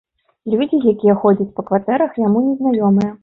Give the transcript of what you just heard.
Людзі, якія ходзяць па кватэрах, яму незнаёмыя.